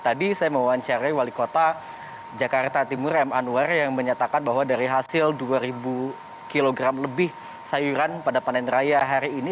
tadi saya mewawancarai wali kota jakarta timur m anwar yang menyatakan bahwa dari hasil dua kg lebih sayuran pada panen raya hari ini